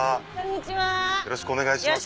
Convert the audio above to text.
よろしくお願いします。